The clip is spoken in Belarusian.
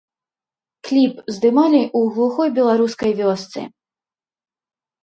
Кліп здымалі ў глухой беларускай вёсцы.